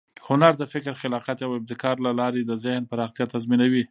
هنر د فکر، خلاقیت او ابتکار له لارې د ذهن پراختیا تضمینوي.